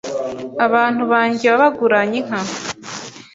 Abantu banjye wabaguranye inka